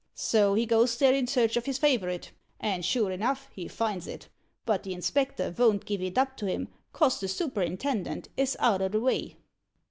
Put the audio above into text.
So he goes there in search o' his favourite, and sure enough he finds it, but the inspector von't give it up to him, 'cos the superintendent is out o' the vay."